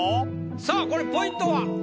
さあこれポイントは？